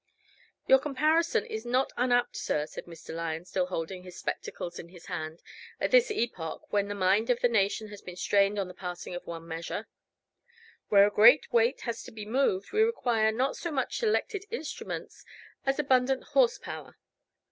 "Your comparison is not unapt, sir," said Mr. Lyon, still holding his spectacles in his hand, "at this epoch, when the mind of the nation has been strained on the passing of one measure. Where a great weight has to be moved, we require not so much selected instruments as abundant horse power.